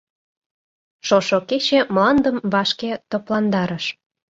Шошо кече мландым вашке топландарыш.